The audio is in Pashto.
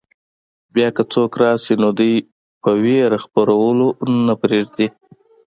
بیا که څوک راشي نو دوی په وېره خپرولو نه پرېږدي.